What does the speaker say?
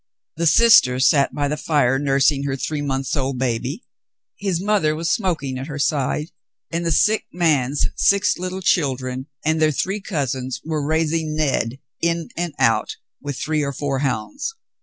The sister sat by the fire nursing her three months old baby, his mother was smoking at her side, and the sick man's six little children and their three cousins were raising Ned, in and out, with three or four hounds.